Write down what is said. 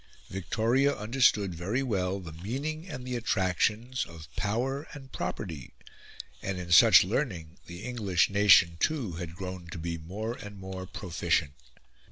Victoria understood very well the meaning and the attractions of power and property, and in such learning the English nation, too, had grown to be more and more proficient.